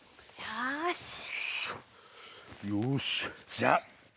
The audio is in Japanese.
じゃあ。